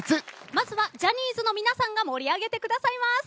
まずはジャニーズの皆さんが盛り上げてくださいます。